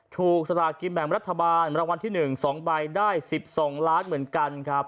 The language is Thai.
ถูกสถานกิจแบ่งรัฐบาลรวรรณที่๑ส่องใบได้๑๒ล้านเหมือนกันครับ